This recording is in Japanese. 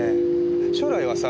将来はさ